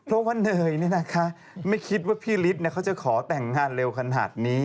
เพราะว่าเนยไม่คิดว่าพี่ฤทธิ์จะขอแต่งงานเร็วขนาดนี้